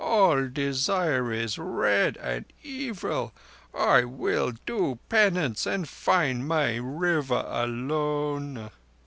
All Desire is red—and evil. I will do penance and find my River alone."